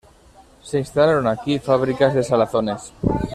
Se instalaron aquí fabricas de salazones.